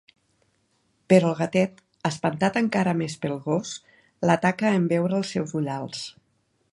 Però el gatet, espantat encara més pel gos, l'ataca en veure els seus ullals.